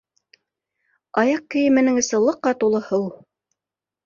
Аяҡ кейеменең эсе лыҡа тулы һыу...